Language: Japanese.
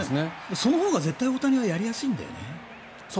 そのほうが絶対、大谷はやりやすいんだよね。